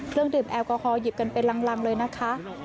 เครื่องดื่มแอลกอฮอลหยิบกันเป็นรังเลยนะคะ